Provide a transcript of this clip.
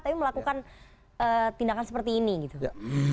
tapi melakukan tindakan seperti ini gitu